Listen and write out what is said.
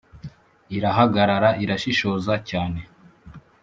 irahagarara irashishoza cyne